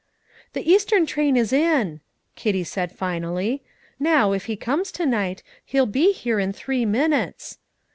"The eastern train is in," Kitty said finally "Now, if he comes to night, he'll be here in three minutes."